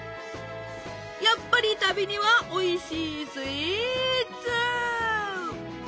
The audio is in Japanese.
やっぱり旅にはおいしいスイーツ！